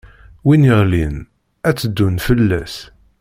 Win iɣlin, ad tt-ddun fell-as.